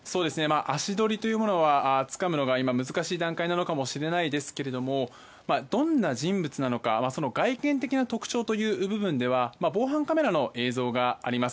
足取りをつかむのは難しい段階なのかもしれないですがどんな人物なのかその外見的な特徴という部分では防犯カメラの映像があります。